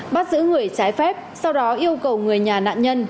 bắt giữ người trái phép sau đó yêu cầu người nhà nạn nhân